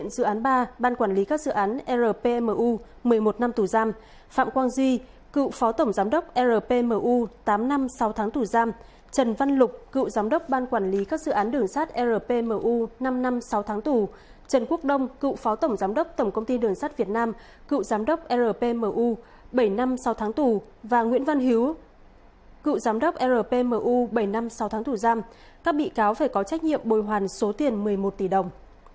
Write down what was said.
cựu phó tổng giám đốc rpmu tám năm sáu tháng tù giam trần văn lục cựu giám đốc ban quản lý các dự án đường sát rpmu năm năm sáu tháng tù trần quốc đông cựu phó tổng giám đốc tổng công ty đường sát việt nam cựu giám đốc rpmu bảy năm sáu tháng tù và nguyễn văn hiếu cựu giám đốc rpmu bảy năm sáu tháng tù giam các bị cáo phải có trách nhiệm bồi hoàn số tiền một mươi một tỷ đồng